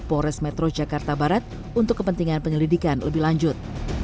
polres metro jakarta barat untuk kepentingan penyelidikan lebih lanjut